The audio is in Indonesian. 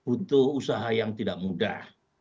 butuh usaha yang tidak mudah